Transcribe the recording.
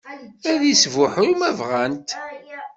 Ad isbuḥru ma bɣant.